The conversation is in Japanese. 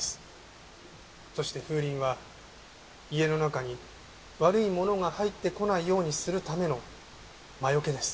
そして風鈴は家の中に悪いものが入ってこないようにするための魔除けです。